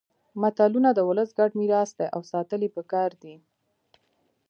متلونه د ولس ګډ میراث دي او ساتل يې پکار دي